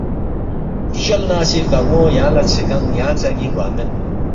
فچول نہ سی رگانو یانگ لا ژھے گنگ یانگ ژا نی گوا مید